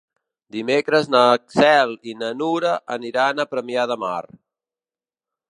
Dimecres na Cel i na Nura aniran a Premià de Mar.